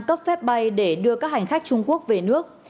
cấp phép bay để đưa các hành khách trung quốc về nước